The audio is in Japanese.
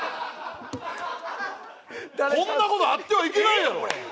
こんな事あってはいけないやろ！